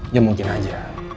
ya mungkin aja